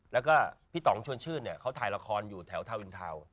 แล้วก็พี่ต่องชวนชื่นเนี่ยเขาถ่ายละครอยู่แถวทาวินทาวน์